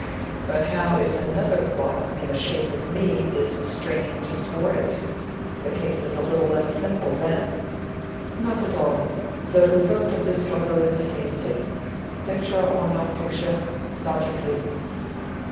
"But how if another claw in the shape of me is straining to thwart it?—the case is a little less simple then." "Not at all: the result of the struggle is the same thing—picture or no picture—logically."